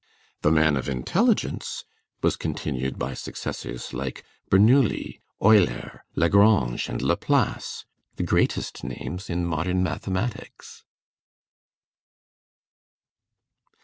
The man of intelligence was continued by successors like Bernoulli, Euler, Lagrange, and Laplace, the greatest names in modern mathematics.